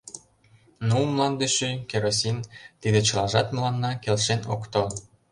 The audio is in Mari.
Ну, мланде шӱй, керосин — тиде чылажат мыланна келшен ок тол...